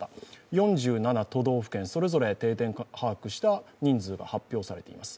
４７都道府県それぞれ定点把握した人数が発表されています。